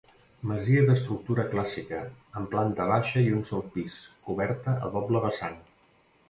Masia d'estructura clàssica, amb planta baixa i un sol pis, coberta a doble vessant.